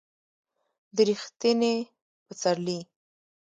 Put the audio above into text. د ر یښتني پسرلي